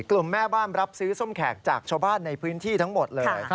แม่บ้านรับซื้อส้มแขกจากชาวบ้านในพื้นที่ทั้งหมดเลย